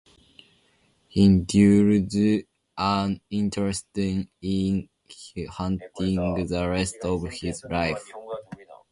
He indulged an interest in hunting the rest of his life.